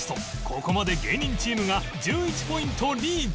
ここまで芸人チームが１１ポイントリード